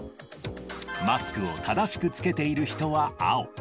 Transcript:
マスクを正しく着けている人は青。